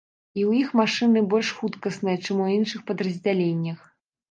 І ў іх машыны больш хуткасныя, чым у іншых падраздзяленнях.